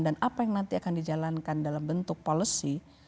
dan apa yang nanti akan dijalankan dalam bentuk policy